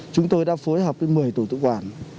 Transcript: chúng tôi đã phối hợp với một mươi tổ tự quản